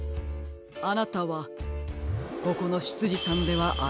あなたはここのしつじさんではありませんね？